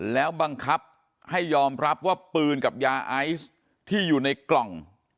แล้วบังคับให้ยอมรับว่าปืนกับยาไอซ์ที่อยู่ในกล่อง